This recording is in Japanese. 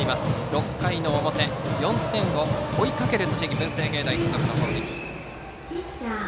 ６回の表、４点を追いかける栃木・文星芸大付属の攻撃。